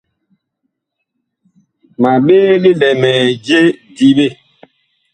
Ma ɓee lilɛmɛɛ je diɓe.